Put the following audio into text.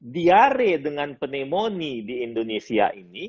diare dengan pneumonia di indonesia ini